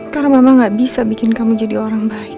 karena mama gak bisa bikin kamu jadi orang baik